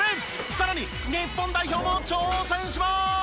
さらに日本代表も挑戦しまーす！